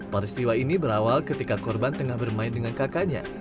peristiwa ini berawal ketika korban tengah bermain dengan kakaknya